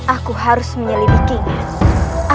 aku harus menyelidikinya